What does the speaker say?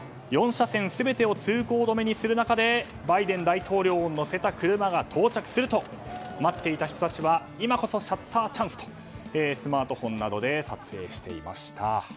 ４車線全てを通行止めにする中でバイデン大統領を乗せた車が到着するとすると待っていた人たちは今こそシャッターチャンス！とスマートフォンなどで撮影していました。